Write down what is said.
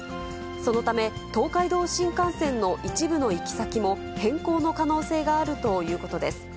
そのため、東海道新幹線の一部の行き先も変更の可能性があるということです。